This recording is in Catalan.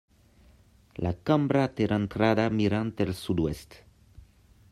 La cambra té l'entrada mirant el sud-oest.